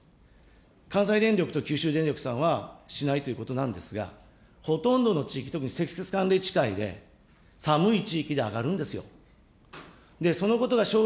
関西電力と九州電力さんはしないということなんですが、ほとんどの地域とか積雪寒冷地帯で、寒い地域で上がるんですよ。